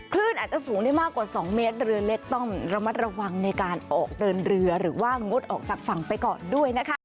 คลื่นอาจจะสูงได้มากกว่า๒เมตรเรือเล็กต้องระมัดระวังในการออกเดินเรือหรือว่างดออกจากฝั่งไปก่อนด้วยนะคะ